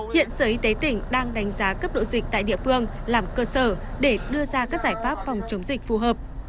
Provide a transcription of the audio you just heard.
hiện sở y tế tỉnh đang đánh giá cấp độ dịch tại địa phương làm cơ sở để đưa ra các giải pháp phòng chống dịch phù hợp